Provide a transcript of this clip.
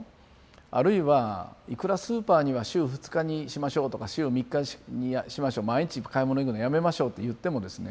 あるいはいくらスーパーには週２日にしましょうとか週３日にしましょう毎日買い物行くのやめましょうといってもですね